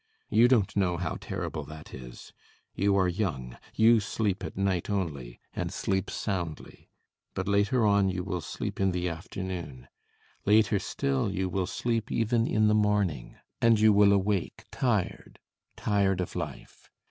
You don't know how terrible that is: you are young: you sleep at night only, and sleep soundly. But later on you will sleep in the afternoon. Later still you will sleep even in the morning; and you will awake tired, tired of life.